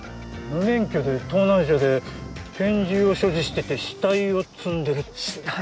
無免許で盗難車で拳銃を所持してて死体を積んでるって。